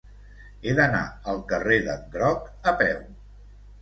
He d'anar al carrer d'en Groc a peu.